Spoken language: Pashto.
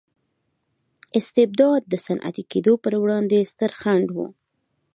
استبداد د صنعتي کېدو پروړاندې ستر خنډ و.